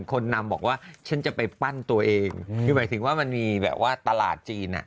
คนนำบอกว่าฉันจะไปปั้นตัวเองคือหมายถึงว่ามันมีแบบว่าตลาดจีนอ่ะ